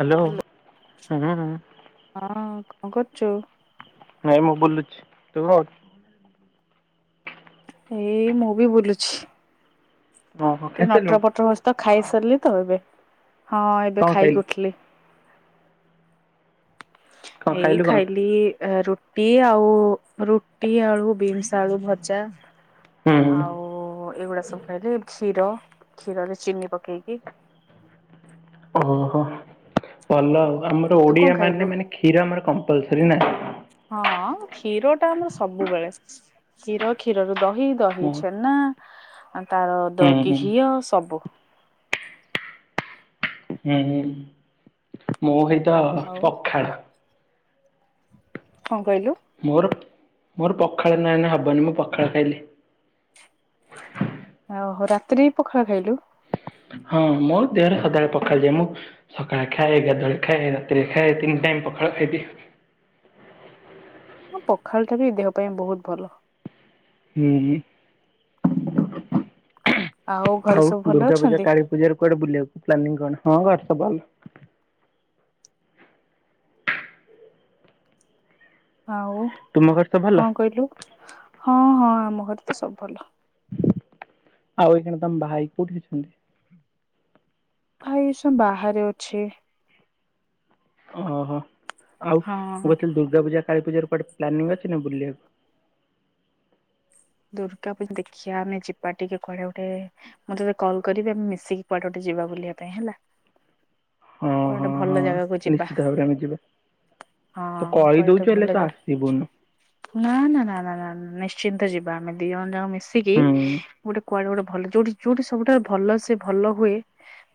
Hello. Hello ହୁଁ। ହଁ କଣ କରୁଚୁ? ହେଇ ମୁଁ ବୁଲୁଚି। ତୁ କଣ କରୁଚୁ? ଏଇ ମୁଁ ବି ବୁଲୁଚି। ଟିକେ ନଟର ଖାଇସାରିଲୁଣି ପଟର ହସ୍ ତ ଖାଇସାରିଲି ତ ଏବେ। ହଁ ଏବେ କଣ ଖାଇଲୁ ଖାଇକି ଉଠିଲି। କଣ ଏଇ ଖାଇଲୁ କଣ ଖାଇଲି ଅ ରୁ ରୁଟି ଆଉ ରୁଟି ଆଳୁ ବିନ୍ସ ଆଳୁ ଭଜା। ହୁଁ ଆଉ ଏଇଗୁଡା ସବୁ ଖାଇଲି କ୍ଷୀର କ୍ଷୀରରେ ଚିନି ପକେଇକି ଓହୋ ଭଲ ଆଉ। ଆମର ତୁ କଣ ଓଡିଆ ଖାଇଲୁ? ମାନେ ମାନେ କ୍ଷୀର ଆମର କମ୍ପଲସରୀ ନା? ହଁ କ୍ଷୀର ଟା ଆମର ସବୁବେଳେ କ୍ଷୀର କ୍ଷୀରରୁ ଦହି ଦହି ହୁଁ ଛେନା ତାର ହୁଁ ଦ କି ଘିଅ ସବୁ। ହୁଁ ମୁଁ ହେଇତ ଆଉ ପଖାଳ କଣ କହିଲୁ? ମୋର ମୋର ପଖାଳ ନାଇ ହବନି ମୁଁ ପଖାଳ ଖାଇଲି। ଓହୋ ରାତିରେ ବି ପଖାଳ ଖାଇଲୁ? ହଁ ମୋ ଦେହରେ ସଦାବେଳେ ପଖାଳଯାଏ। ମୁଁ ସକାଳେ ଖାଏ ଗାଦୁଆଳେ ଖାଏ ରାତିରେ ଖାଏ ତିନି ଟାଇମ୍ ପକାଳ ଖାଇଦିଏ। ହଁ ପଖାଳ ଟା ବି ଦେହ ପାଇଁ ବହୁତ ଭଲ। ହୁଁ ଘରେ ଆଉ ସବୁ ଭଲ ଦୁର୍ଗା ପୂଜା ଅଛନ୍ତି? କାଳୀ ପୂଜାରେ କୁଆେ ବୁଲିବାକୁ ପ୍ଲାନିଂ କଣ? ହଁ ଘରେ ସବୁ ଭଲ। ଆଉ ତୁମ ଘରେ ସବୁ ଭଲ? କଣ କହିଲୁ ହଁ ହଁ ଆମ ଘରେ ତ ସବୁ ଭଲ। ଆଉ ଏଇଖିଣି ତମ ଭାଇ କୋଉଠି ଅଛନ୍ତି? ଭାଇ ଏଇସୁଅ ବାହାରେ ଅଛି। ଓହୋ। ଆଉ ମୁଁ ହଁ। କହୁଁଥିଲି ଦୁର୍ଗା ପୂଜା କାଳୀ ପୂଜା କୁଆଟେ ପ୍ଲାନିଂ ଅଛି ନା ବୁଲିବାକୁ? ଦୁର୍ଗା ପୂଜା ଦେଖିବା ଆମେ ଯିବା ଟିକେ କୁଡେ ଗୋଟେ ମୁଁ ତତେ କଲ କରିବି ଆମେ ମିଶିକି କୁଆଟେ ଗଟେ ଯିବା ବୁଲିବା ପାଇଁ ହେଲା। ହଁ କୁଆଡେ ଗୋଟେ ହଁ ଭଲ ହଁ ଜାଗାକୁ ଯିବା। ନିଶ୍ଚିତ ଭାବରେ ଆମେ ଯିବା। ହଁ ତୁ କହି କୁଆଡେ ଗୋଟେ ଦଉଚୁ ଭଲ ହେଲେ ତୁ ଜାଗା ଆସିବୁନୁ। ନା ନା ନା ନା ନିଶ୍ଚିନ୍ତ ଯିବା ଆମେ ଦି ଜଣ ଯାକ ମିଶିକି ହୁଁ ଗୋଟେ କୁଆଡେ ଗୋଟେ ଭଲ ଯୋଉଠି ଯୋଉଠି ସବୁଠା ଭଲ ସେ ଭଲ ହୁଏ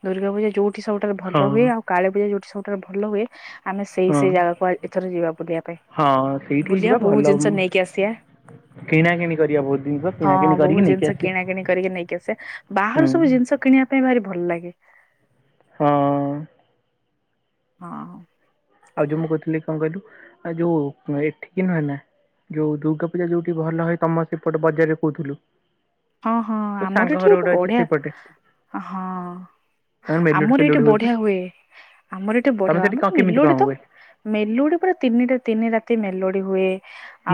ଦୁର୍ଗା ପୂଜା ଯୋଉ ଠି ସବୁଠାରୁ ହଁ ଭଲ ହୁଏ। ଆଉ କାଳୀ ପୂଜା ଯୋଉଠି ସବୁଠାରୁ ଭଲ ହୁଏ। ଆମେ ସେଇ ହଁ ସେଇ ଜାଗାକୁ ଏଥର ଯିବା ବୁଲିବା ପାଇଁ। ହଁ ସେଇଠିକି ବୁଲିବା, ଯିବା ଭଲ ବହୁତ ଜିନିଷ ନେଇକି ଆସିବା। କିଣା କିଣି କରିବା ବହୁତ ଜିନଷ। ହଁ ବହୁତ ଜିନିଷ କିଣା କିିଣି କରିକି ନେଇକି ଆସିବା। ହୁଁ ବାହାରୁ ସବୁ ଜିନିଷ କିଣିବା ପାଇଁ ଭାରି ଭଲ ଲାଗେ। ହଁ। ହଁ। ଆଉ ଯୋଉ ମୁଁ କହିଥିଲି କଣ କହିଲୁ। ଆ ଯୋଉ ଏଠିକି ନୁହେ ନା ଯୋଉ ଦୁର୍ଗା ପୂଜା ଯୋଉଠି ଭଲ ହଏ ତମ ସେପଟେ ବଜାରରେ କହୁଥିଲୁ। ହ, ହଁ ତୋ ସାଙ୍ଗ ଆମର ଘର ଏଠି ଗୋଟେ ଅଛି ବଢିଆ ସେଇପଟେ ହଁ। ତାଙ୍କର ମେଲୋଡି ଆମର ଏଠି ଫେଲୋଡି ପା ବଢିଆ ହୁଏ। ଆମର ଏଠି ବଢିଆ ତମେ ହୁଏ। ସେଠି କଣ ଆମର କେମିତି ମେଲୋଡି କଣ ତ ହୁଏ? ମେଲୋଡି ପୁରା ତିନିଟା ତିନି ରାତି ମେଲୋଡି ହୁଏ।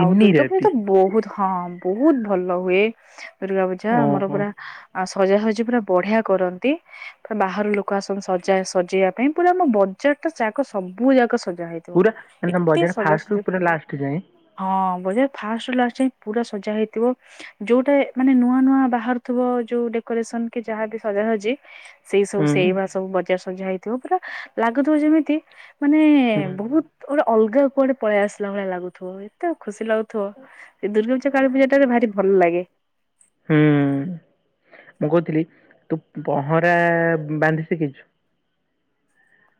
ଆଉ ଦୁର୍ଗା ପୂଜା ରାତି ତ ବୋହୁତ ହଁ ବହୁତ ଭଲ ହୁଏ। ରୁର୍ଗା ପୂଜା ଆମର ଓହୋ ପୁରା ଆ ସଜା ସଜି ପୁରା ବଢିଆ କରନ୍ତି। ପୁରା ବାହାରୁ ଲୋକ ଆସନ୍ତି ସଜା ସଜେଇବା ପାଇଁ ପୁରା ଆମ ବଜାର ଟା ଯାକ ସବୁ ଯାକ ସଜା ହୁଏ। ପୁରା ତ ବଢିଆ ଫାଷ୍ଟୁ ରୁ ପୁରା ଲାଷ୍ଟ ଯାଏ। ହଁ ବଜ ଫାଷ୍ଟ ରୁ ଲାଷ୍ଟ ଯାଏ ପୁରା ସଜା ହେଇଥିବ ଯଉଟା ମାନେ ନୂଆ ନୂଆ ବାହାରୁ ଥିବ ଯଉ ଡେକୋରେସନ କି ଯାହାବି ସଜାସଜି ସେଇ ସବୁ ହୁଁ ସେଇବା ସବୁ ବଜାର ସଜା ହେଇଥିବ ପୁରା ଲାଗୁଥିବ ଯେମିତି ମାନେ ହୁଁ ବହୁତ୍ ଗୋଟେ ଅଲଗା କୁଆଡେ ପଳେଇ ଆସିଲା ଭଳିଆ ଲାଗୁଥିବ ଏତେ ଖୁସି ଲାଗୁଥିବ ଏ ଦୁର୍ଗାପୂଜା କାଳୀପୂଜାଟା ଭାରି ଭଲ ଲାଗେ। ହୁଁ ମୁଁ କହୁଥିଲି ତୁ ପହଁରା ବାନ୍ଧି ସିଖିଚୁ?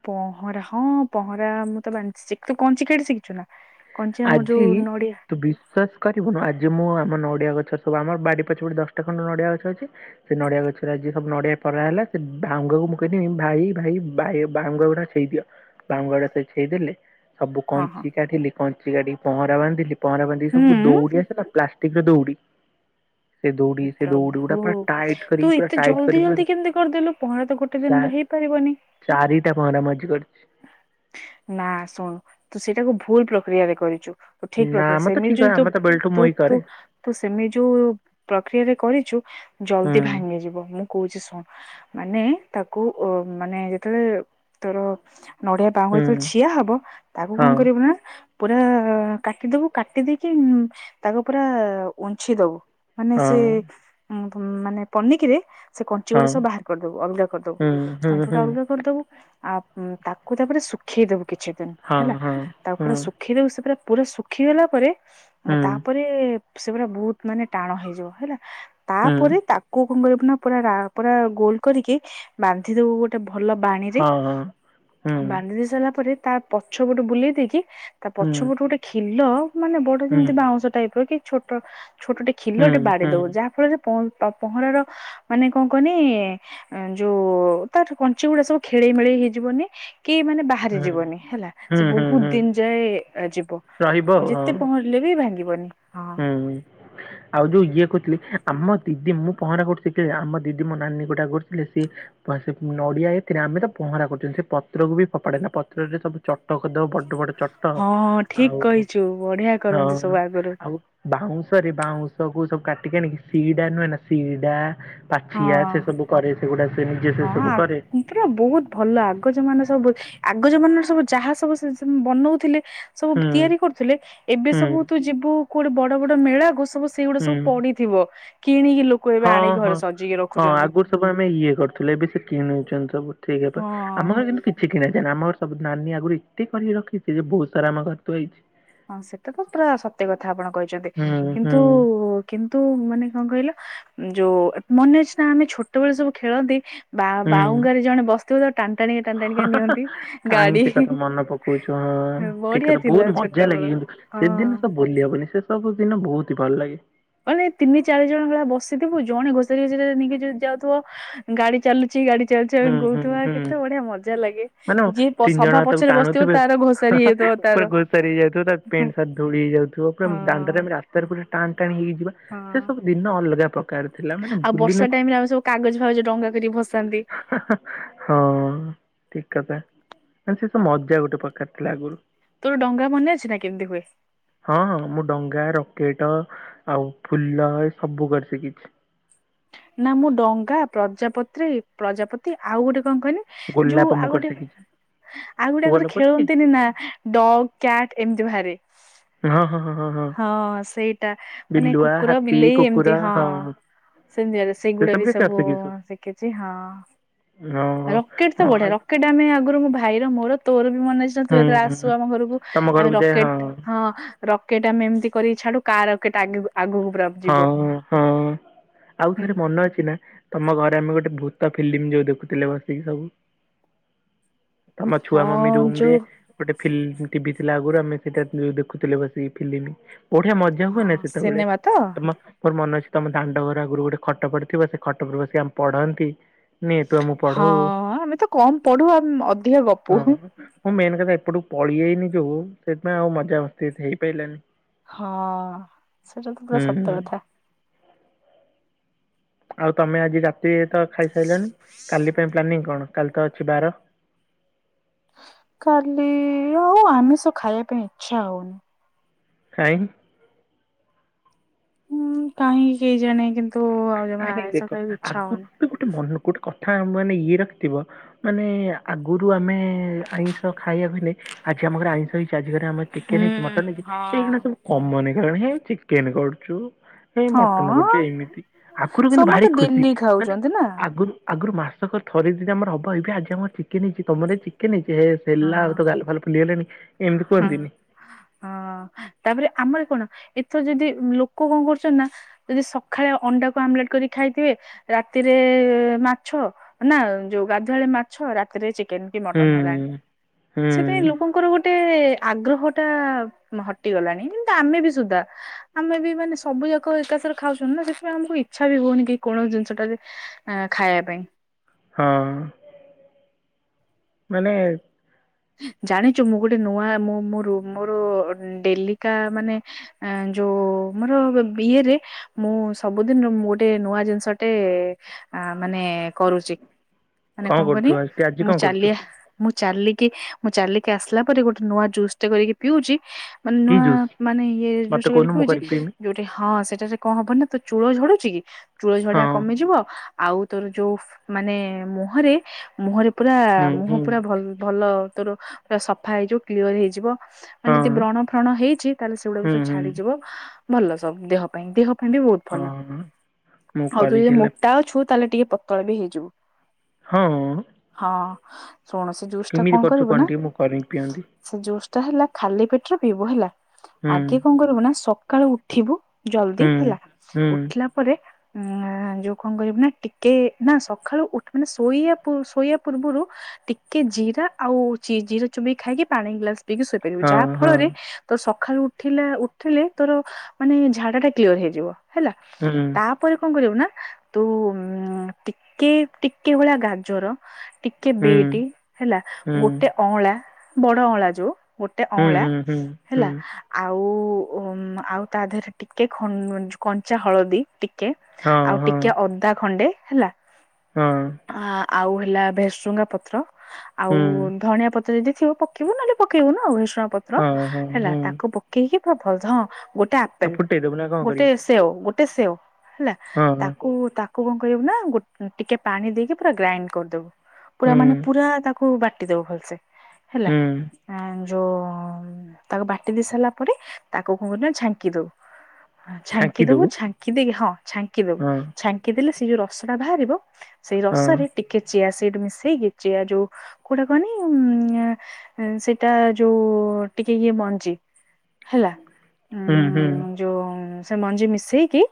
ପହଁରା ହଁ ପହଁରା ମୁଁ ତ ବାନ୍ଧି ଶିଖିଚି, ତୁ କଇଁଞ୍ଚି କାଢି ଶିଖିଚୁନା? ଆଜି ତୁ ବିଶ୍ଵାସ କରିବୁନି ଆଜି ମୁଁ ଆମ ନଡିଆ ଗଛ ସବୁ ଆମର ବାଡି ପଛପେ ଦଶଟା ଖଣ୍ଡେ ନଡିଆ ଗଛ ଅଛି ସେ ନଡିଆ ଗଛରେ ଆଜି ସବୁ ନଡିଆ ପରା ହେଲା ସେ ଭାଉଙ୍ଗା କୁ ମୁଁ କହିନି ଭାଇ ଭାଇ ଭାଇ ବାହୁଙ୍ଗା ଗୁଡା ଅଛି ଛେଇଦିଅ ବାହୁଙ୍ଗା ଗୁଡା ସେ ଛେଇଦେଲେ ସବୁ ହଁ ହଁ କଇଁଞ୍ଚି କାଢିଲି କଇଁଞ୍ଚି କାଢ଼ିକି ପହଁରା ବାନ୍ଧିଲି ପହଁରା ବାନ୍ଧିକି ସବୁ ହୁଁ। ଦଉଡି ଆଣିକି ପ୍ଲାଷ୍ ଷ୍ଟିକ ର ଦୌଉଡ଼ି ହେପ୍ରଭୁ ପୁରା ଟାଇଟ କରିକି ତୁ ପୁରା ଏତେ ଟାଇଟ ଜଲଦି କରିକି ଜଲଦି ପୁରା କେମିତି କରିଦେଲୁ ପହଁରା ତ ଗୋଟେ ଚା ଦିନରେ ହେଇ ପାରିବନି। ଚାରିଟା ପହଁରା ମୁଁ ଆଜି କରିଚି। ନା ଶୁଣୁ ତୁ ସେଇଟାକୁ ଭୁଲ ପ୍ରକ୍ରିୟାରେ କରିଚୁ। ତ ଠିକ୍ ନା ଆମେ ପ୍ରୋଗେସ ତ ଠିକ ସେମିଯି ତୁ ଆମେ ତ ବେଲଟୁ ତୁ ମୁଇଁ ତୁ କରେ ତୁ ସେମିତି ଯଉ ପ୍ରକ୍ରିୟା ରେ କରିଚୁ ହୁଁ ଜଲଦି ଭାଙ୍ଗି ଯିବ ମୁଁ କହୁଚି ଶୁଣ ମାନେ ତାକୁ ଓ ମାନେ ଯେତବେଳେ ତୋର ନଡିଆ ବାହୁଙ୍ଗା ହୁଁ ଯେତବେଳେ ଛିିଆ ହବ ତାକୁ କଁ ହଁ କରିଵୁ ନା? ପୁରା କାଟିଦବୁ କାଟି ଦେଇକି ତାକୁ ପୁରା ଉଞ୍ଛି ଦବୁ ମାନେ ହଁ ସେ ଉ ମାନେ ପନିକିରେ ସେ କଞ୍ଚି ଗୁଡା ହଁ। ସବୁ ବାହାର କରିଦବୁ ଅଲଗା କରିଦବୁ କଞ୍ଚି ଗୁଡା ଅଲଗା କରିଦବୁ ଆ ହୁଁ ତାକୁ ତାପରେ ଶୁଖେଇଦବୁ କିଛି ଦିନ ହେଲା ତାପରେ ଶୁ ଶୁଖେଇଦବୁ ସେଥିରେ ପୁରା ଶୁଖିଗଲା ପରେ ତାପ ସେ ସେ ପୁରା ବହୁତ ମାନେ ଟାଣ ହେଇଯିବ ହେଲା ତାପରେ ତା କୋଉ କଣ କରିବୁ ନା ପୁରା ପୁରା ଗୋଲ କରିକି ବାନ୍ଧି ଦବୁ ଗୋଟେ ଭଲ ବାଣୀରେ ବାନ୍ଧି ଦେଇ ସାରିଲା ପରେ ତା ପଛ ପଟୁ ବୁଲେଇ ଦେଇକି ତା ପଛ ପଟୁ ଗୋଟେ ଖିଲ ମାନେ ବ ଯେମିତି ବାଉଁଶ ଟାଇପ ର କି ଛୋଟ ଛୋଟ ଟେ ଖିଲ ଟେ ବାଡେଇ ଦବୁ ଯାହା ଫଳରେ ପଅନ୍ତ ପହଁରା ର ମାନେ କଁ କହନି ଯୋଉ ତାର କଞ୍ଚି ଗୁଡା ସବୁ ଖେଳେଇ ମେଳେଇ ହେଇଯିବନି କି ମାନେ ବା ବାହାରି ଯିବନି ହେଲା ସେ ହୁଁ, ହୁଁ, ବହୁତ ହୁଁ ଦିନି ଯାଏ ଯିବ ରହିବ ଆଉ ଯେତେ ହଁ। ପହଁ ରିଲେ ବି ଭାଙ୍ଗିବନି ହଁ। ହୁଁ। ଆଉ ଯୁ ଇଏ କରୁଥିଲି ଆମ ଦିଦି ମୁଁ ପହଁରା କରୁଚି କି ଆମ ଦିଦି ମୋ ନାନୀ ଗୋଟା କରୁଥିଲେ ସିଏ ସେ ନଡିଆ ଏଥିରେ ଆମେ ତ ପହଁରା କରୁଚ ସେ ପତ୍ରକୁ ବି ଫୋପାଡେ ନା ପତ୍ରରେ ସବୁ ଚଟ କରିଦବ ବଡ ବଡ ଚଟ ହଁ ଠିକ ଆଉ କହିଛୁ ବଢିଆ କରନ୍ତି ସବୁ ହଁ ଆଗରୁ ଆଉ ବାଉଁଶରେ ବାଉଁଶ କୁ ସବୁ କାଟିକି ଆଣିକି ଶିଡା ନୁହେଁ ନା ଶିଡା ପାଛିଆ ହଁ। ସେ ସବୁ କରେ ସେଗୁଡା ସେ ନିଜେ ସେ ହଁ ଆ ସବୁ କରେ। ପୁରା ବହୁତ ଭଲ ଆଗ ଜମାନ ସବୁ ଆଗ ଜମାନରେ ସବୁ ଯାହା ସବୁ ବନଉଥିଲେ। ସବୁ ହୁଁ ତିଆରି କରୁଥିଲେ ଏବେ ହୁଁ ସବୁ ତୁ ଯିବୁ କୋଉଠି ବଡ ବଡ ମେଳାକୁ ସବୁ ସେଇଗୁଟା ହୁଁ ସବୁ ପଡିଥିବ କିଣିକି ଲୋକ ଏବେ ହଁ ଆଣିକି ହଁ ଘରେ ସଜେଇକି ହଁ ରଖୁଛନ୍ତି। ଆଗରୁ ସବୁ ଆମେ ଇଏ କରୁଥିଲେ ଏବେ ସେ କିଣୁଛନ୍ତି ସବୁ ଠିକ ହଁ ଆମର କିନ୍ତୁ କିଛି କିନେଇ ଦିଏନା ଆମର ସବୁ ନାନୀ ଆଗରୁ ଏତେ କରିକି ରଖିଛି ଯେ ବହୁତ ସାରା ଆମ ଘର ହଁ ସେଟା ତ ପୁରା ସତ୍ୟ କଥା ଆପଣ କହିଛନ୍ତି ହୁଁ କିନ୍ତୁ ହୁଁ କିନ୍ତୁ ମାନେ କଣ କହିଲ ଯୋଉ ମନେ ଅଛି ନା ଆମେ ଛୋଟବେଳେ ସବୁ ଖେଳନ୍ତି। ବା ହୁଁ ବାଉଙ୍ଗାରେ ଜଣେ ବସ ତ ଟାଣି ଟାଣିକା ନିଅନ୍ତି କାହିଁ ଗାଡି ସେ କଥା ମନେ ପକଉଛୁ ହଁ ଠିକ ବଢିଆ କଥା ବହୁତ ଥିଲା ଛୋଟ ମଜା ଲାଗେ କିନ୍ତୁ ସେଦିନ ସବୁ ଭୁଲି ହବନି ସେ ସବୁ ଦିନ ବହୁତ ଭଲ ଲାଗେ। ମାନେ ତିନି ଚାରି ଜଣ ଭଳିଆ ବସିଥିବୁ ଜଣେ ଘୋଷାରି ଘୋଷାରିକି ନେଇକି ଯାଉଥିବ ଗାଡି ଚାଲୁ ଚି ଗାଡି ଚାଲୁଚି ଆମେ ହୁଁ ହୁଁ କହୁଥିବା ହୁଁ କେତେ ବଢିଆ ମଜା ଲାଗେ ମାନେ ଯିଏ ସଭା ପଛରେ ବସିଥିବ ତାର ଘୋ ହଁ ହଁ ପରେ ଘୋସାରି ହେଇଯାଉଥିବ ତା ହଁ ପେଣ୍ଟ ସାର୍ଟ ଧୂଳି ହେଇଯାଉଥିବ ପୂରା ଦାଣ୍ଡରେ ହଁ। ସେଥିରେ ପୁରା ଟାଣି ଟାଣି ହେଇଯାଉଥିବ ସେ ସବୁ ଦିନ ଅଲଗା ପ୍ରକାର ଥିଲା ମାନେ ଆଉ ଭୁଲି ବର୍ଷା ନେ ଟାଇମ ରେ ଆମେ ସବୁ କାଗଜ ଫାଗଜ ଡ଼ଙ୍ଗା କରିକି ଭସାନ୍ତି। ହିଁ ହିଁ ହଁ ଠିକ କଥା। ସେ ମଜା ଗୋଟେ ପ୍ରକାର ଥିଲା ଆଗରୁ ତୋର ଡଙ୍ଗା ମନେ ଅଛି ନା କେମିତି ହୁଏ। ହଁ ମୁଁ ଡଙ୍ଗା ରକେଟ ଆଉ ଫୁଲ ଏ ସବୁ କରି ଶିଖିଚି। ନା ମୁଁ ଡଙ୍ଗା ପ୍ରଜାପତ୍ରି ପ୍ରଜାପତି ଆଉ ଗୋଟେ କଣ କଅନି। ଯୋଉ ଗୋଲାପ ମୁଁ କରି ଆଉଗୋଟେ ଶିଖିଛି ଆଉ ତୁ ଗୋଟେ ଆଗରୁ ଗୋଲାପ କରି ଶିଖିଛୁ ଖେଳନ୍ତିନି ନା। ଡଗ୍ କ୍ୟାଟ୍ ଏମିତି ବାହାରେ। ହଁ ହଁ ହଁ ହଁ ହଁ ସେଇଟା ମାନେ ବିଲୁଆ କୁକୁର ହାତୀ ବିଲେଇ ଏମିତି କୁକୁର ହଁ। ସେଆରେ ସେ ସେଗୁଡା ବି କରି ସବୁ ଶିଖିଛୁ ଶିଖିଛି ହଁ। ଓହୋ ରକେଟ ତ ହଁ ବଢିଆ ଆଉ ରକେଟ ଆମେ ଆଗରୁ ମୋ ଭାଇର ମୋର ତୋର ବି ମନେ ଅଛି। ତୁ ଯେତେବେଳେ ହୁଁ ଆସୁ ଆମ ଘରକୁ ତମ ଆମେ ଘରକୁ ଯାଏ ରକେଟ ହଁ। ରକେଟ ଆମେ ଏମିତି କରିକି ଛାଡୁ କାହା ରକେଟ୍ ଆଗେ ଆଗକୁ ପଳେଇବ। ହଁ ହଁ। ଆଉ ହୁଁ ଥରେ ମନ ଅଛି ନା ତମ ଘରେ ଆମେ ଗୋଟେ ଭୂତ ଫିଲ୍ମ ଯୋଉ ଦେଖୁଥିଲେ ବସିକି ସବୁ। ତମ ଛୁଆ ମମି ହଁ ରୁମରେ। ଯୋଉ ଗୋଟେ ଫିଲ୍ମ ଟିଭି ଥିଲା ଆଗରୁ ଆମେ ସେଇଟା ଦେଖୁଥିଲେ ବସିକି ଫିଲ୍ମ। ବଢିଆ ମଜା ହଁ ହୁଏନା ସେତେବେଳେ ସିନେମା ତ ତମ ମୋର ମନେ ଅଛି ତମ ଦାଣ୍ଡ ଘର ଆଗରୁ ଗୋଟେ ଖଟ ପଡିଥିବ ସେ ଖଟ ଉପରେ ବସି ଆମେ ପଢନ୍ତି। ନେ ତୁ ଆମକୁ ହଁ ପଢଉ ଆମେ ତ କମ ପଢୁ ଆ ଅଧିକା ଗପୁ। ହଁ ମୁଁ ମେନ୍ କଥା ଏପଟୁ ପଳେଇଆଇନି ଯୋଉ, ସେଥିପାଇଁ ଆଉ ମଜା ମସ୍ତି ହେଇପାଇଲାନି। ହଁ ସେଇଟା ତ ପୁରା ହୁଁ। ସତ ହୁଁ। କଥା। ଆଉ ତମେ ଆଜି ରାତିରେ ତ ଖାଇସାରିଲଣି କାଲି ପାଇଁ ପ୍ଲାନିଂ କଣ କାଲି ତ ଅଛି ବାର କାଲି ଆଉ ଆମିଷ ଖାଇବା ପାଇଁ ଇଚ୍ଛା ହଉନି। କାଇଁ ହୁଁ କାହିଁକି କେହି ଜାଣି କିନ୍ତୁ ଆଉ ଜମା ଆରେ ଦେଖ ଆଇସ ଖାଇକୁ ଇଚ୍ଛା ଆଗରୁ ହଉନି। ଗୋଟେ ଗୋଟେ ମନ ଗୋଟେ କଥା ମାନେ ଇଏ ରଖିଥିବ। ମାନେ ଆଗରୁ ଆମେ ଆଇଁଷ ଖାଇବାକୁ ହେଲେ ଆଜି ଆମ ଘରେ ଆଇଁଷ ହେଇଛି। ଆଜି ଘରେ ଆମର ଚିକେନ ହେଇଛି ମଟନ ହୁଁ ହେଇଛି ଏଇକିଣା ହଁ। ସବୁ କମନ ହେଇଗଲାଣି ହେ ଚିକେନ କରୁଛୁ। ହେଇ ମଟନ ହଁ କରୁଚି ଏଇମିତି ଆଖୁରୁ କିନ୍ତୁ ଭାରି ସମସ୍ତେ ଖୁସି ଡେଲି ମାନେ ଖାଉଛନ୍ତି ନା। ଆଗୁରୁ ଆଗୁରୁ ମାସକ ଥରେ ଯଦି ଆମର ହବ ଏଇବେ ଆମର ଚିକେନ ହେଇଚି ତମର ହେଇଚି। କେନ ହେଇଚି ହେସ୍ ହଁ ହେଲା‌ ଆଉ ତୋ ଗାଲ ଫାଲ ଫୁଲିଗଲାଣି ଏମତି ହଁ କୁହନ୍ତିନି? ହଁ ତାପରେ ଆମର କଣ ଏଥର ଯଦି ଲୋକ କଁ କରୁଚନ୍ତି ନା ଯଦି ସଖାଳେ ଅଣ୍ଡାକୁ ଆମଲେଟ କରି ଖାଇଥିବେ ରାତିରେ ମାଛ ନା ଯୋଉ ଗାଧୁଆଳେ ମାଛ ରାତିରେ ଚି କେନ୍ କି ମଟନ୍ ହେଲାଣି ହୁଁ। ହୁଁ ସେଥିଆଇଁ ଲୋକଙ୍କର ଗୋ ଟେ ଆଗ୍ରହଟା ମ ହଟିଗଲାଣି ଏମିତି ଆମେ ବି ସୁଧା। ଆମେ ବି ମାନେ ସବୁ ଯାକ ଏକାଥରେ ଖାଉଛନ୍ତି ନା ସେଥିପାଇଁ ଆମୁକୁ ଇଚ୍ଛା ବି ହୋଉନି କି କୌଣସି ଜିନିଷଟା ଯେ ଅ ଖାଇବା ପାଇଁ। ହଁ ମାନେ ଜାଣିଚୁ ମୁଁ ଗୋଟେ ନୂଆ ମୁଁ ମୋର ମୋର ଡେଲିକା ମାନେ ଅଁ ଯୋଉ ମାନେ ମୋ ବ୍ ଇଏରେ ମୁଁ ସବୁଦିନରୁ ଗୋଟେ ନୂଆ ଜିନିଷଟେ ଆ ମାନେ କରୁଚି। ମାନେ କଣ କରୁଛୁ କନି ଆଜି ଆଜି ମୁଁ କଣ କରୁଛୁ? ଚାଲିଆ ମୁଁ ଚାଲିକି ମୁଁ ଚାଲିକି ଆସିଲା ପରେ ଗୋଟେ ନୂଆ ଜୁସ୍ ଟେ କରିକି ପିଉଚି। ମାନେ କି ନୂଆ ଜୁସ୍ ମାନେ ଇଏ ମତେ ଜୁସଟେ କହୁନୁ କରିକି ମୁଁ ପିଉଚି ପିଇମି ଯୋ ଟେ ହଁ ସେଟା ଯେ କଁ ହବ ନା ତୋ ଚୂଳ ଝଡୁଚି କି ଚୂଳ ହଁ ଝଡିଆ କମିଯିବ। ଆଉ ତୋର ଯୋଉ ମାନେ ମୁହଁରେ ମୁହଁରେ ପୁରା ହୁଁ ମୁହଁ ହୁଁ ପୁରା ଭ ଭଲ ତୋର ପୁରା ସଫା ହେଇଯିବ କ୍ଲିଅର ହେଇଯିବ। ମାନେ ହଁ ଯଦି ବ୍ରଣ ଫ୍ରଣ ହେଇଛି ତାହେଲେ ସେଉଡା ବି ହୁଁ ସବୁ ହୁଁ ଛାଡିଯିବ ଭଲ ସବୁ ଦେହ ପାଇଁ ଦେହ ପାଇଁ ବି ବୋହୁତ ଭଲ। ହଁ ମୁଁ ଆଉ ତୁ କରିକି ଯେ ହେଲା ମୋଟା ଅଛୁ ତାହେଲେ ଟିକେ ପତଳା ବି ହେଇଯିବୁ। ହଁ? ହଁ ଶୁଣୁ ସେ ଯୋଉ କେମିତି କରୁଚୁ କହନି ଟିଏ ମୁଁ କରିି ପିଅନ୍ତି। ସେ ଜୁସ୍ ଟା ହେଲା ଖାଲି ପେଟରେ ପିିଇବୁ ହେଲା, ହୁଁ ଆଗେ କଁ କରିବୁ ନା ସକାଳୁ ଉ ଠିବୁ ଜଲଦି ହୁଁ ହେଲା ହୁଁ ଉଠିଲା ପରେ ଉଁ ଯୋଉ କଁ କରିବୁ ନା ଟିକେ ନାଁ ସଖାଳୁ ଉଠ୍ ମାନେ ଶୋଇଆ ପୂ ଶୋଇଆ ପୂର୍ବରୁ ଟିକେ ଜୀରା ଆଉ ଚି ଜିରା ଚୋବେଇ ଖାଇକି ପାଣି ଗ୍ଲାସ ପିଇିକି ଶୋଇପରିବୁ ହଁ ଯାହା ହଁ ଫଳରେ ତ ସଖାଳୁ ଠିଲା ଉଠିଲେ ତୋର ମାନେ ଝାଡାଟା କ୍ଲିୟର ହେଇଯିବ ହେଲା। ହୁଁ। ତାପରେ କଁ କରିବୁ ନାଁ ତୁ ଉଁ ଟିକେ ଟିକେ ଭଳିଆ ଗାଜର ଟିକେ ହୁଁ ବିଟି ହେଲା ହୁଁ ଗୋଟେ ଅଁଳା ବଡ଼ ଅଁଳା ଯୋଉ ଗୋଟେ ହୁଁ ଅଁଳା। ହୁଁ ହୁଁ ହୁଁ ହେଲା ଆଉ ଉଁ ଆଉ ତା ଦେହରେ ଟିକେ ଖ କଞ୍ଚା ହଳଦୀ ଟି କେ ହଁ ଆଉ ହଁ ଟିକେ ଅଦା ଖଣ୍ଡେ ହେଲା ହଁ ଆ ଆଉ ହେଲା ଭେଶୃଙ୍ଗା ପତ୍ର ଆଉ ହୁଁ ଧଣିଆ ପତ୍ର ଯଦି ଥିବ ପକେଇବୁ ନହେଲେ ପକେଇବୁନୁ ଆଉ ଭେର୍ସୁଆଁ ପତ୍ର ହଁ ହଁ ହେଲା ହୁଁ ତା କୁ ପକେଇକି ପୁରା ଭଲ ହଁ ଗୋଟେ ଆଉ ଆପେଲ ଫୁଟେଇ ଦବୁ ନା କଣ ଗୋଟେ କରିବୁ ସେଓ ଗୋଟେ ସେଓ ହେଲା। ହଁ ହଁ ତାକୁ ତାକୁ କଁ କରିବୁ ନା ଗୋ ଟିକେ ପାଣି ଦେଇକି ପୁରା ଗ୍ରାଇଣ୍ଡ କରିଦବୁ। ପୁରା ହୁଁ ମାନେ ପୁରା ତାକୁ ବାଟି ଦବୁ ଭଲସେ ହେଲା। ହୁଁ ଅଁ ଯୋଉ ତାକୁ ବାଟି ଦେଇ ସାଇଲା ପରେ ତାକୁ କଁ କର ଆଁ ଛାଙ୍କି ଦବୁ। ହଁ ଛାଙ୍କି ଦବୁ ଛାଙ୍କି ଦେଇକି ହଁ ଛାଙ୍କି ଦବୁ, ହଁ ଛାଙ୍କି ଦେଲେ ସେ ଯୋଉ ରସଟା ଭାରିବ ସେଇ ହଁ ରସରେ ଟିକେ ଚିଆ ସିଡ୍ ମିଶେଇକି ଚିଆ ଯୋଉ କୋଉଟା କହ? ସେଇଟା ଯୋଉ ଟିକେ ଇଏ ମଞ୍ଜି। ହେଲା। ହୁଁ ହୁଁ। ଉଁ ଯୋଉ ସେ ମଞ୍ଜି ମିଶେଇକି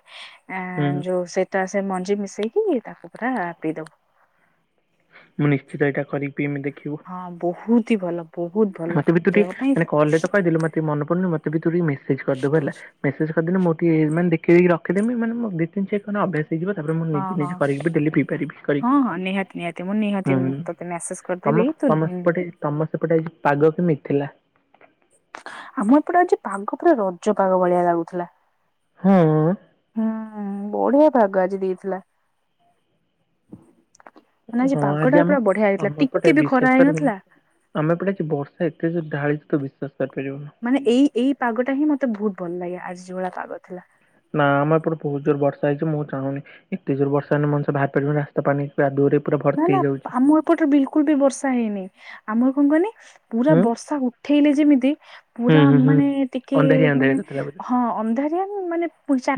ହୁଁ ଯୋଉ ସେ। ତା ସେ ମଞ୍ଜି ମିଶେଇକି ତାକୁ ପୁରା ପି ଦବୁ। ମୁଁ ନିଶ୍ଚିତ ଏଇଟା କରିକି ପିଇମି ଦେଖିବୁ। ହଁ, ବହୁତ୍ ହି ଭଲ। ବହୁତ ଭଲ ମତେ ବି ତୁ ଦେହ ଟିକେ ପାଇଁ ମାନେ କଲରେ ତ କହିଲୁ ମୋର ମନେ ପଡୁନି ମତେ ବି ତୁ ଟିକେ ମେସେଜ୍ କରିଦବୁ ହେଲା। [unintelligible] ହେଇଯିବ ତାପରେ ମୁଁ ହଁ ନିଜେ ହଁ ନିଜେ କରିକି ଡେଲି ପି ପାରିବି ହଁ ହଁ କରିକି। ନିହାତି ନିହାତି ମୁଁ ନିହାତି ହୁଁ। ତୋତେ ମେସେଜ କରିଦେବି ତମ ତୁ ତମ ସେପଟେ ତମ ସେପଟେ ଆଜି ପାଗ କେମିତି ଥିଲା? ଆମ ଏପଟେ ଆଜି ପାଗ ପୁରା ରଜ ପାଗ ଭଳିଆ ଲାଗୁଥିଲା। ହୁଁ। ହୁଁ ବଢିଆ ପାଗ ଆଜି ଦେଇଥିଲା। ମାନେ ଆଜି ହଁ ପାଗ ଟା ଆମ ପୁରା ବଢିଆ ଆମ ହେଇଥିଲା। ଏପଟେ ଟିକେ ବି ବିଶ୍ୱାସ ଖରା କରିବୁନୁ ହେଇନଥିଲା। ଆମ ଏପଟେ ଆଜି ବର୍ଷା ଏତେ ଜୋରେ ଢାଳିଚି ତୁ ବିଶ୍ବାସ କରିପାରିବୁନି। ମାନେ ଏଇ ଏଇ ପାଗଟା ହିଁ ମତେ ବହୁତ ଭଲ ଲାଗେ ଆଜି ଯୋଉ ଭଳିଆ ପାଗ ଥିଲା। ନା ଆମ ଏପଟେ ବହୁତ୍ ଜୋର୍ରେ ବର୍ଷା ହେଇଚି ମୁଁ ଚାହୁନି ଏତେ ଜୋର୍ ବର୍ଷା ହେଲେ ମଣିଷ ବାହାରିପାରିବନି। ପାଣି କାଦୁଅରେ ପୁରା ନା ଭର୍ତ୍ତି ନା ହେଇଯାଉଚି। ଆମ ଏପଟରେ ବିଲକୁଲ ବି ବର୍ଷା ହେଇନି ଆମର କଣ କହନି। ପୁରା ହୁଁ। ବର୍ଷା ଉଠେଇଲେ ଯେମିତି ହୁଁ ପୁରା ହୁଁ ହୁଁ। ମାନେ ଟିକେ ଅନ୍ଧାରିଆ ମାନେ। ଅନ୍ଧାରିଆ କରିଥିଲା ବୋଧେ ହଁ ଅନ୍ଧାରିଆ ମାନେ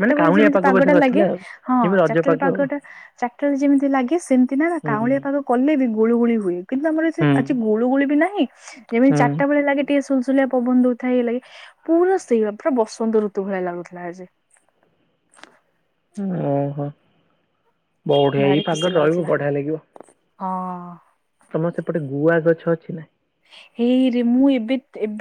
ମାନେ ବେଳେ କାଉଁଳିଆ ଯେମିତି ପାଗ ବୋଧେ ପାଗଟା ଲାଗେ କରିଥିଲା ଆଉ ହଁ ଯେମିତି ଚାରିଟା ରଜ ବେଳେ ପାଗ ଆଉ। ପାଗଟା। ଚାରିଟା ବେଳେ ଯେମିତି ଲାଗେ ସେମତି ନା। କାଉଁଳିଆ ହୁଁ ପାଗ କଲେ ବି ଗୁଳୁଗୁଳି ହୁଏ। କିନ୍ତୁ ଆମର ସେ ହୁଁ। ଆଜି ଗୁଳୁଗୁଳି ବି ନାହିଁ। ଯେମିତି ହୁଁ ଚାରଟାବେଳେ ଲାଗେ। ଟେ ସୁଲସୁଲିଆ ପବନ ଦଉଥାଏ ଇଏ ଲାଗେ ପୁରା ସେଇଭଳିଆ ପୁରା ବସନ୍ତ ଋତୁ ଭଳିଆ ଲାଗୁଥିଲା ଆଜି। ଓହୋ ବଢିଆ ଭାରି ଏଇ ଖୁସି ପାଗରେ ରହିବ ଲାଗୁଥିଲା ବଢିଆ ଲାଗିବ। ହଁ। ତମର ସେପଟେ ଗୁଆ ଗଛ ଅଛି ନା? ହେଇରେ ମୁଁ ଏବେ ଏବେ।